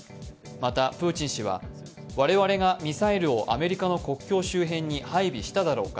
またプーチン氏は、我々がミサイルをアメリカの国境周辺に配備しただろうか。